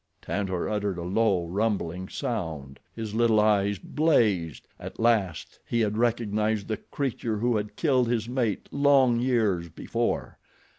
Tantor uttered a low, rumbling sound. His little eyes blazed. At last he had recognized the creature who had killed his mate long years before.